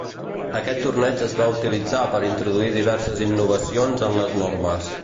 Aquest torneig es va utilitzar per introduir diverses innovacions en les normes.